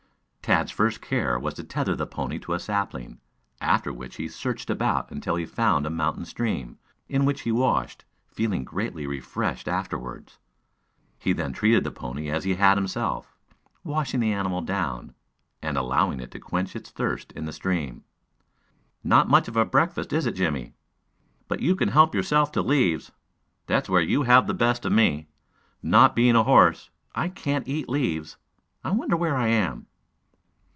Tad's first care was to tether the pony to a sapling, after which he searched about until he found a mountain stream, in which he washed, feeling greatly refreshed afterward. He then treated the pony as he had himself, washing the animal down, and allowing it to quench it's thirst in the stream. "Not much of a breakfast, is it, Jimmie? But you can help yourself to leaves. That's where you have the best of me. Not being a horse, I can't eat leaves. I wonder where I am!"